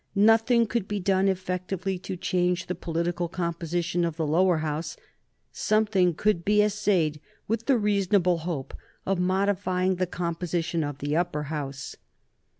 Nothing could be done effectively to change the political composition of the Lower House; something could be essayed with the reasonable hope of modifying the composition of the Upper House.